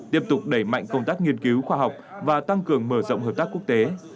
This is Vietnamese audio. tiếp tục đẩy mạnh công tác nghiên cứu khoa học và tăng cường mở rộng hợp tác quốc tế